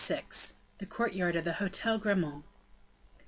The Courtyard of the Hotel Grammont.